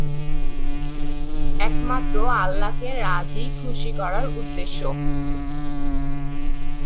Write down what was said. একমাত্র আল্লাহকে রাজী-খুশী করার উদ্দেশ্যে।